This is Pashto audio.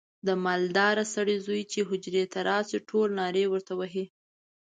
د مالداره سړي زوی چې حجرې ته راشي ټول نارې ورته وهي.